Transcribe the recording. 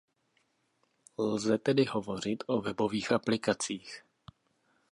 Lze tedy hovořit o webových aplikacích.